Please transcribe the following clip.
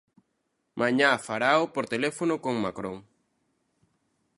Mañá farao por teléfono con Macron.